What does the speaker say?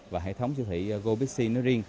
và hệ thống siêu thị gopixie nói riêng